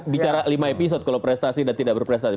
bicara lima episode kalau prestasi dan tidak berprestasi